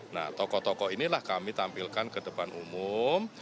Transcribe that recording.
nah tokoh tokoh inilah kami tampilkan ke depan umum